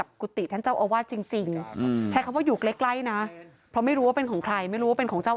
พูดความจริงไปเลยไม่ต้องกลัวหรอก